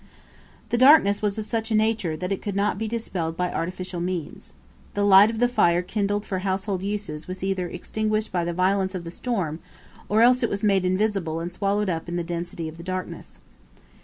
The darkness was of such a nature that it could not be dispelled by artificial means. The light of the fire kindled for household uses was either extinguished by the violence of the storm, or else it was made invisible and swallowed up in the density of the darkness.